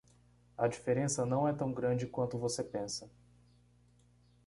A diferença não é tão grande quanto você pensa.